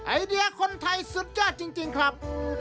ไอเดียคนไทยสุดยอดจริงครับ